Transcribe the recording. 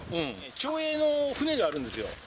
町営の船があるんですよ。